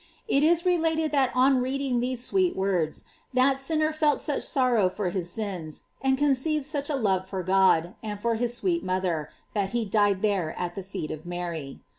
It is re lated that on reading these sweet words, that sinner felt such sorrow for his sins, and conceived such a love for God, and for his sweet motherf that he died there at the feet of Mary.